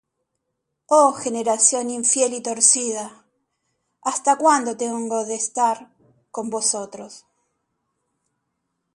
Oh generación infiel y torcida! ¿hasta cuándo tengo de estar con vosotros?